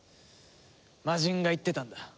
魔人が言ってたんだ。